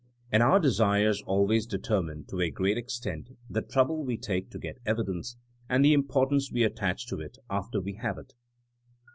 And our desires always deter mine, to a great extent, the trouble we take to get evidence, and the importance we attach to it after we have it.